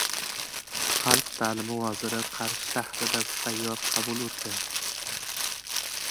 Xalq ta’limi vaziri Qarshi shahrida sayyor qabul o‘tkazadi